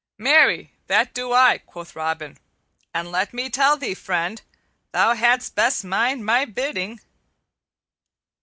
"Marry, that do I," quoth Robin; "and let me tell thee, friend, thou hadst best mind my bidding."